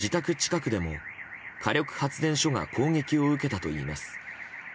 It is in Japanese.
自宅近くでも火力発電所が攻撃を受けたといいます。